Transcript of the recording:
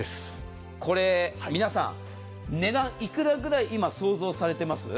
これ、皆さん値段いくらぐらい今、想像されています？